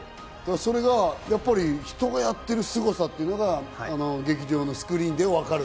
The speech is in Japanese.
それが人がやっているすごさが、劇場のスクリーンで分かる。